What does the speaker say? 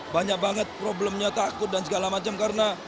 banyak banget problemnya takut dan segala macam karena